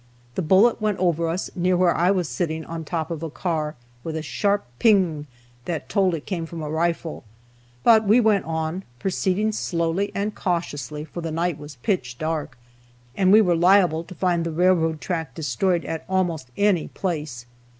The bullet went over us near where I was sitting on top of a car, with a sharp "ping," that told it came from a rifle. But we went on, proceeding slowly and cautiously, for the night was pitch dark, and we were liable to find the railroad track destroyed at almost any place.